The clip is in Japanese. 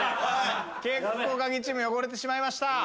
結構カギチーム汚れてしまいました。